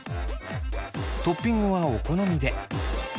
トッピングはお好みで。